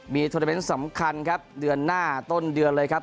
มีโทรเมนต์สำคัญครับเดือนหน้าต้นเดือนเลยครับ